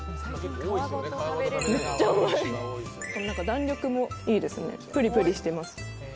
弾力もいいですね、プリプリしてる。